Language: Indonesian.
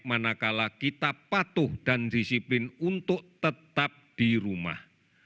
manakala kita patuh dan disiplin untuk tetap di rumah